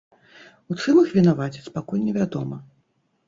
У чым іх вінавацяць, пакуль невядома.